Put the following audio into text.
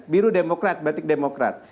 biru demokrat batik demokrat